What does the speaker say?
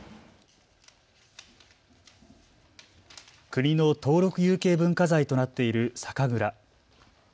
国の登録有形文化財となっている酒蔵。